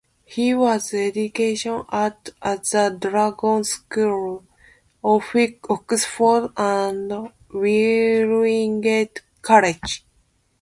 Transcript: He was educated at the Dragon School, Oxford, and Wellington College.